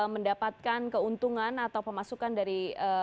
mendapatkan keuntungan atau pemasukan dari